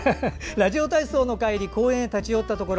ラジオ体操の帰り公園に立ち寄ったところ